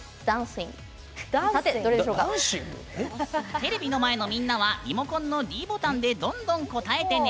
テレビの前のみんなはリモコンのｄボタンでどんどん答えてね。